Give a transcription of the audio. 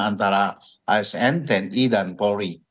antara asn tni dan polri